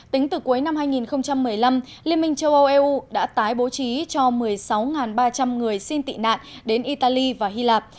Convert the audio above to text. tính từ cuối năm hai nghìn một mươi năm liên minh châu âu eu đã tái bố trí cho một mươi sáu ba trăm linh người xin tị nạn đến italy và hy lạp